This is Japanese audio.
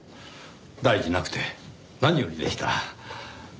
大事なくて何よりでした。